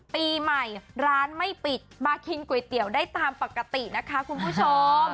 ปีใหม่ร้านไม่ปิดมากินก๋วยเตี๋ยวได้ตามปกตินะคะคุณผู้ชม